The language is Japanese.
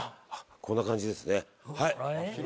こんな感じですね。